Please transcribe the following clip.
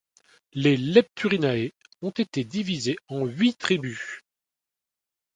Les Lepturinae ont été divisés en huit tribus.